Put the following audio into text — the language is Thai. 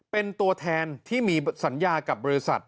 เป็นตัวแทนที่มีสัญญากับบริษัท